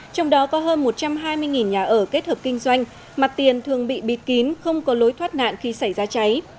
trong đó có hơn một trăm hai mươi nhà ở kết hợp kinh doanh mặt tiền thường bị bịt kín không có lối thoát nạn khi xảy ra cháy